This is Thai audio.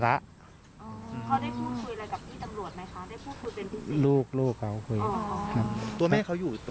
เขาได้พูดคุยอะไรกับที่ตำรวจมั้ยคะ